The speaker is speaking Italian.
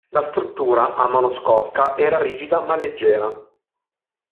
La struttura, a monoscocca, era rigida ma leggera.